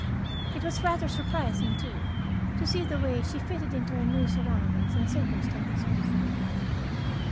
It was rather surprising, too, to see the way she fitted into her new surroundings and circumstances.